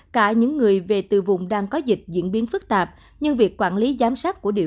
cả những người về từ vùng đang có dịch diễn biến phức tạp nhưng việc quản lý giám sát của địa